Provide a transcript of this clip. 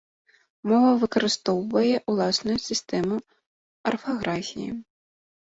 Мова выкарыстоўвае ўласную сістэму арфаграфіі.